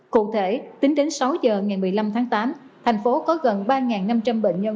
cụ thể tính đến sáu giờ ngày một mươi năm tháng tám thành phố có gần ba năm trăm linh bệnh nhân